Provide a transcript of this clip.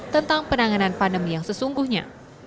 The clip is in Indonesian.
tentang penanganan pandemi yang sesungguhnya